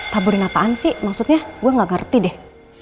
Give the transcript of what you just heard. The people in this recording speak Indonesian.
taburin apaan sih maksudnya gue gak ngerti deh